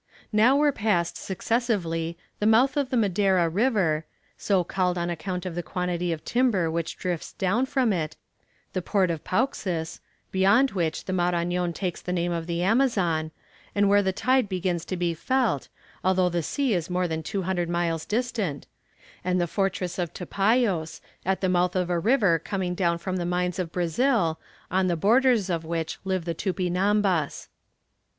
Now were passed successively the mouth of the Madera River so called on account of the quantity of timber which drifts down from it, the port of Pauxis beyond which the Marañon takes the name of the Amazon, and where the tide begins to be felt, although the sea is more than 200 miles distant and the fortress of Topayos, at the mouth of a river coming down from the mines of Brazil, on the borders of which live the Tupinambas.